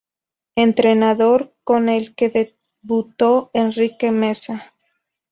Entrenador con el que debutó: Enrique Meza.